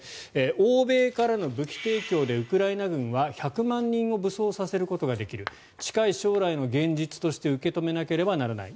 欧米からの武器提供でウクライナ軍は１００万人を武装させることができる近い将来の現実として受け止めなければならない。